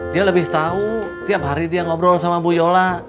dia lebih tahu tiap hari dia ngobrol sama bu yola